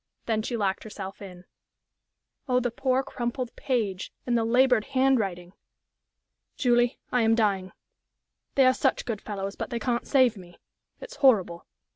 Then she locked herself in.... Oh, the poor, crumpled page, and the labored hand writing! "Julie, I am dying. They are such good fellows, but they can't save me. It's horrible.